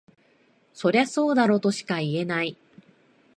そりゃそうだろとしか言えない